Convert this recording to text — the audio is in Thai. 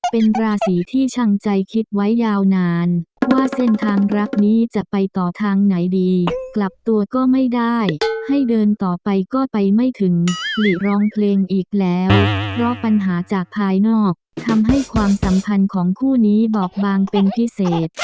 เป็นราศีที่ช่างใจคิดไว้ยาวนานว่าเส้นทางรักนี้จะไปต่อทางไหนดีกลับตัวก็ไม่ได้ให้เดินต่อไปก็ไปไม่ถึงหลีร้องเพลงอีกแล้วเพราะปัญหาจากภายนอกทำให้ความสัมพันธ์ของคู่นี้บอบบางเป็นพิเศษ